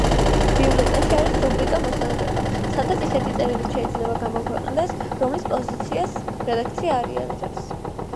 ბიულეტენში არის რუბრიკა „მოსაზრება“, სადაც ისეთი წერილიც შეიძლება გამოქვეყნდეს, რომლის პოზიციას რედაქცია არ იზიარებს.